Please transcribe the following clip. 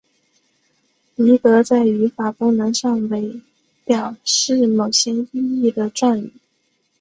离格在语法功能上为表示某些意义的状语。